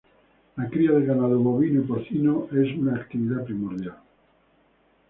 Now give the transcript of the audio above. La cría de ganado bovino y porcino es una actividad primordial.